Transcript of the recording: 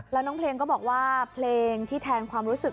แล้วน้องเพลงก็บอกว่าเพลงที่แทนความรู้สึก